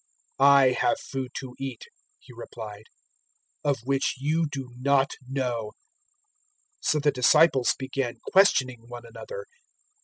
004:032 "I have food to eat," He replied, "of which you do not know." 004:033 So the disciples began questioning one another.